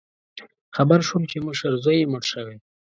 خبر شوم چې مشر زوی یې مړ شوی